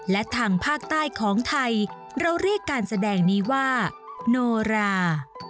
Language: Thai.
และทางภาคใต้ของไทยเราเรียกการแสดงนี้ว่าโนรา